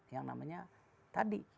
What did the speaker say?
yang namanya tadi